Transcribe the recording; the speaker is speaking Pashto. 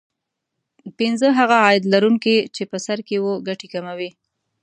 پینځه هغه عاید لرونکي چې په سر کې وو ګټې کموي